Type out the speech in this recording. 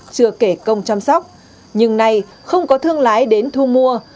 chưa kể công chăm sóc nhưng nay không có thương lái đến thu mua